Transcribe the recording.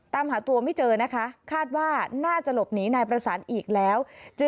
ตามหาตัวไม่เจอนะคะคาดว่าน่าจะหลบหนีนายประสานอีกแล้ว